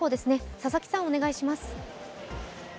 佐々木さん、お願いします。